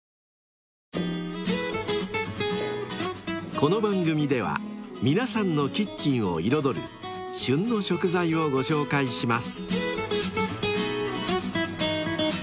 ［この番組では皆さんのキッチンを彩る「旬の食材」をご紹介します］